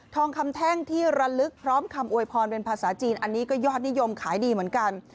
ทองคำแท่งที่ระลึกพร้อมคำอวยพรเป็นภาษาจีนอันนี้ก็ยอดนิยมขายดีเหมือนกัน